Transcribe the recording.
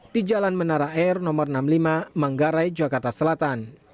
di jalan menara air nomor enam puluh lima manggarai jakarta selatan